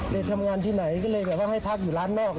ไปทำงานที่ไหนก็เลยแบบว่าให้พักอยู่ร้านนอก